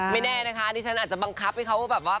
ไม่แน่นะคะนี่ฉันอาจจะบังคับให้เขาว่าแบบว่า